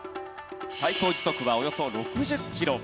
最高時速はおよそ６０キロ。